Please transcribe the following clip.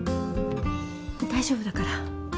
大丈夫だから。